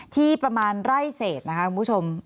ที่ประมาณไร่เศษนะคะคุณผู้ชม